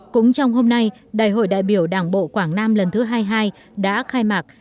cũng trong hôm nay đại hội đại biểu đảng bộ quảng nam lần thứ hai mươi hai đã khai mạc